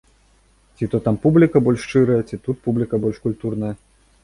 Ці то там публіка больш шчырая, ці тут публіка больш культурная.